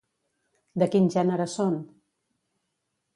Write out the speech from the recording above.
De quin gènere són?